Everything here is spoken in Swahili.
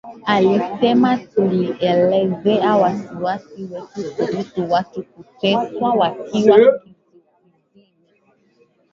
Alisema tulielezea wasiwasi wetu kuhusu watu kuteswa wakiwa kizuizini.